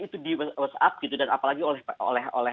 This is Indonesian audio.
itu di whatsapp gitu dan apalagi oleh